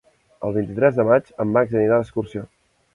El vint-i-tres de maig en Max anirà d'excursió.